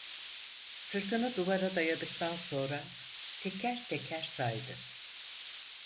Sırtını duvara dayadıktan sonra teker teker saydı: